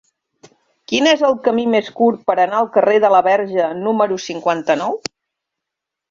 Quin és el camí més curt per anar al carrer de la Verge número cinquanta-nou?